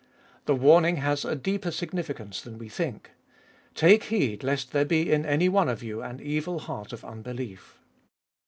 The warning has a deeper significance than we think :" Take heed lest there be in any one of you an evil heart of unbelief."